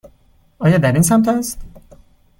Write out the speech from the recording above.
آیا در این سمت است؟